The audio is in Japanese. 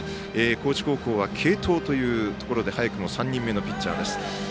高知高校は継投ということで早くも３人目のピッチャーです。